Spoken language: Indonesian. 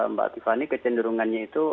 mbak tiffany kecenderungannya itu